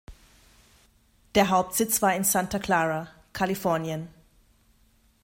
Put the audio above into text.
Der Hauptsitz war in Santa Clara, Kalifornien.